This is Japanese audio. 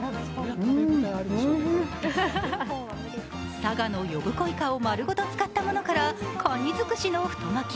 佐賀の呼子いかを丸ごと使ったものからかに尽くしの太巻き